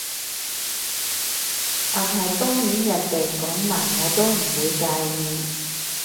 但係當然人哋講埋我都唔會介意